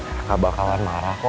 nggak bakalan marah kok